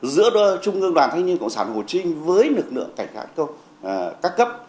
giữa trung ương đoàn thanh niên cộng sản hồ chinh với lực lượng cảnh khai các cấp